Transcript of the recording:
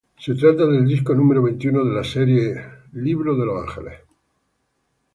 Se trata del disco número veintiuno de la serie "Book of Angels".